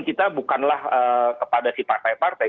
kita bukanlah kepada si partai partai